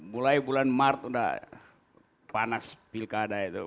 mulai bulan maret udah panas pilkada itu